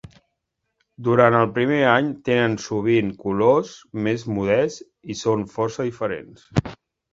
Durant el primer any, tenen sovint colors més modests i són força diferents.